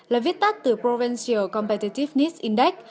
là viết tắt từ provincial competitiveness index